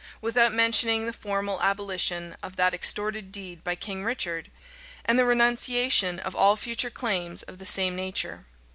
without mentioning the formal abolition of that extorted deed by King Richard, and the renunciation of all future claims of the same nature.